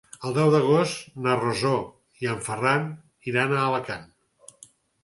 El deu d'agost na Rosó i en Ferran iran a Alacant.